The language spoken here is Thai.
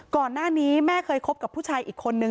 ก่อนหน้านี้แม่เคยคบกับผู้ชายอีกคนนึง